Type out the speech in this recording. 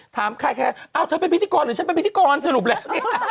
ถามใครอ้าวท่านเป็นพิธีกรหรือฉันเป็นพิธีกรสรุปแหละ